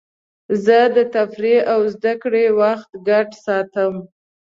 زه د تفریح او زدهکړې وخت ګډ ساتم.